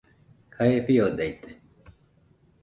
Jae fiodaite